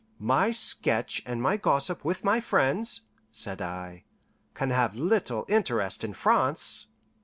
"My sketch and my gossip with my friends," said I, "can have little interest in France."